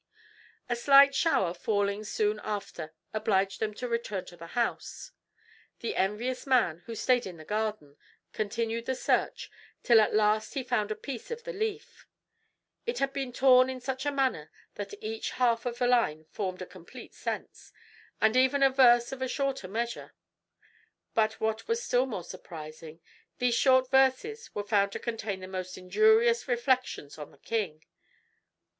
A slight shower falling soon after obliged them to return to the house. The envious man, who stayed in the garden, continued the search till at last he found a piece of the leaf. It had been torn in such a manner that each half of a line formed a complete sense, and even a verse of a shorter measure; but what was still more surprising, these short verses were found to contain the most injurious reflections on the king.